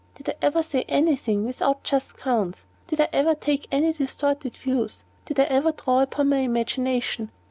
Did I ever say any thing without just grounds? Did I ever take any distorted views? Did I ever draw upon my imagination?